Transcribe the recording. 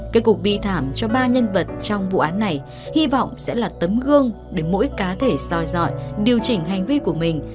cây cục bi thảm cho ba nhân vật trong vụ án này hy vọng sẽ là tấm gương để mỗi cá thể soi dọi điều chỉnh hành vi của mình